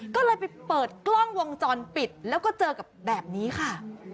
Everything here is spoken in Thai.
ก็เลยไปเปิดกล้องวงจรปิดแล้วก็เจอกับแบบนี้ค่ะ